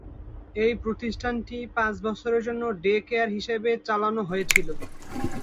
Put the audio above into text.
এই প্রতিষ্ঠানটি পাঁচ বছরের জন্য ডে-কেয়ার হিসেবে চালানো হয়েছিল।